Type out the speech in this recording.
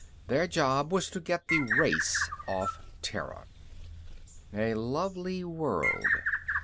The job was to get the race off Terra. _A lovely world.